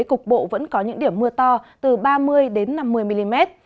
cục bộ vẫn có những điểm mưa to từ ba mươi năm mươi mm